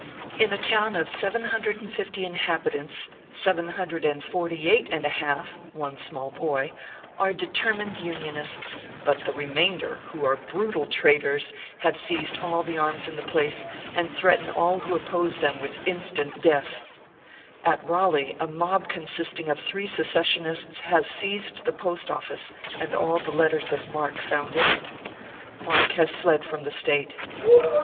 In a town of 96 ORPHEUS C. KEKR PAPERS. 7jO inhabitants, 748 and a half (one small boy) are determined Unionists ; but the remainder, who are brutal traitors, have seized all the arms in the place, and threaten all who oppose them with instant death. At Raleigh, a mob consisting of three secessionists, has seized the post office and all the letters of marque found in it. Marque has fled from the State.